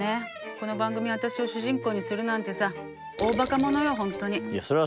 この番組は私を主人公にするなんてさ大ばか者よほんとに。